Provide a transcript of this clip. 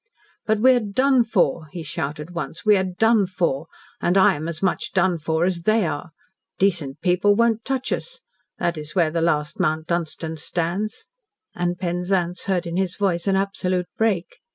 "But we are done for," he shouted once. "We are done for. And I am as much done for as they are. Decent people won't touch us. That is where the last Mount Dunstan stands." And Penzance heard in his voice an absolute break.